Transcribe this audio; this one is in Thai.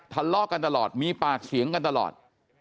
ทะเลาะกันตลอดมีปากเสียงกันตลอด